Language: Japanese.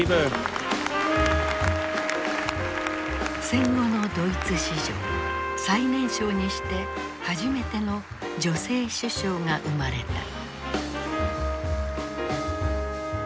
戦後のドイツ史上最年少にして初めての女性首相が生まれた。